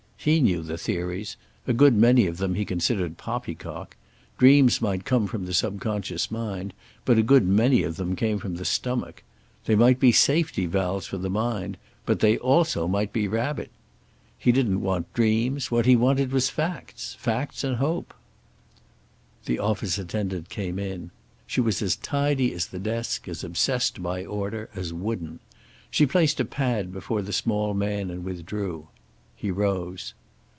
He knew the theories; a good many of them he considered poppycock. Dreams might come from the subconscious mind, but a good many of them came from the stomach. They might be safety valves for the mind, but also they might be rarebit. He didn't want dreams; what he wanted was facts. Facts and hope. The office attendant came in. She was as tidy as the desk, as obsessed by order, as wooden. She placed a pad before the small man and withdrew. He rose.